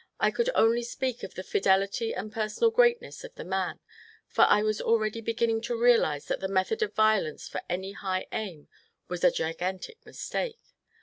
I could only speak of the fidelity and personal greatness of the man, for I was already beginning to realize that the method of violence for any high aim was a gigantic mistake.